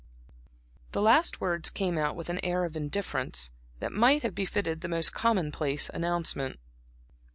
The last words came out with an air of indifference, that might have befitted the most commonplace announcement.